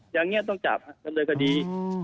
อย่างนี้ต้องจับดำเนินคดี